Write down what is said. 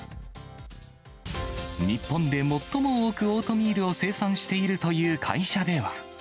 日本で最も多くオートミールを生産しているという会社では。